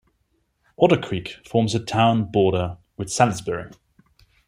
Otter Creek forms the town border with Salisbury.